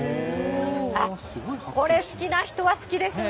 あっ、これ好きな人は好きですね。